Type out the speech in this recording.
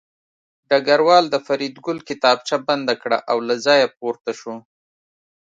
ډګروال د فریدګل کتابچه بنده کړه او له ځایه پورته شو